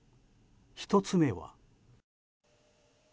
１つ目は。